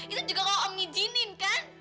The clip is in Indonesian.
itu juga kalau om ngijinin kan